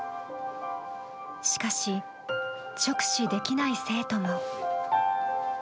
しかし、直視できない生徒も。